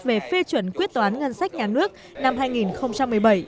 về phê chuẩn quyết toán ngân sách nhà nước năm hai nghìn một mươi bảy